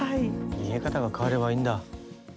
見え方が変わればいいんだ。